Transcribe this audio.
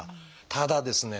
ただですね